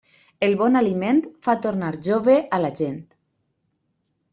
El bon aliment fa tornar jove a la gent.